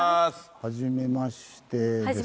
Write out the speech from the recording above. はじめまして。